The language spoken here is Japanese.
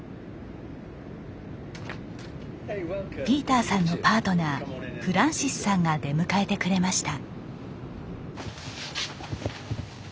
ピーターさんのパートナーフランシスさんが出迎えてくれました。